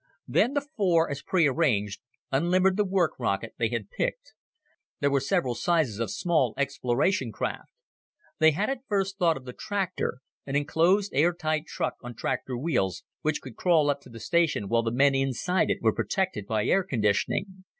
Then the four, as prearranged, unlimbered the work rocket they had picked. There were several sizes of small exploration craft. They had at first thought of the tractor an enclosed, airtight truck on tractor wheels which could crawl up to the station while the men inside it were protected by air conditioning.